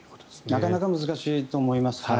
なかなか難しいと思いますね。